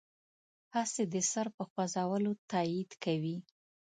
هسې د سر په خوځولو تایید کوي.